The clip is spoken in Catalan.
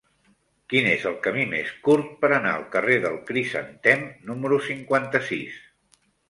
Quin és el camí més curt per anar al carrer del Crisantem número cinquanta-sis?